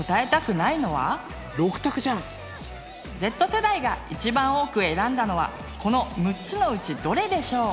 Ｚ世代が一番多く選んだのはこの６つのうちどれでしょう？